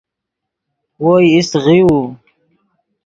وو ایست غیؤو